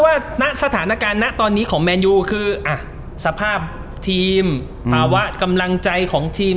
ว่าณสถานการณ์ณตอนนี้ของแมนยูคือสภาพทีมภาวะกำลังใจของทีม